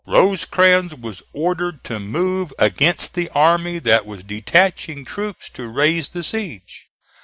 Rosecrans was ordered to move against the army that was detaching troops to raise the siege.